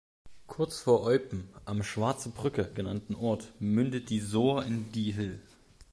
Kurz vor Eupen, am „Schwarze Brücke“ genannten Ort, mündet die Soor in die Hill.